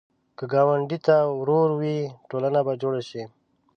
که ګاونډي ته ورور وې، ټولنه به جوړه شي